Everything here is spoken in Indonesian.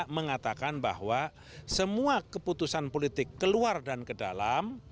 mengatakan bahwa semua keputusan politik keluar dan ke dalam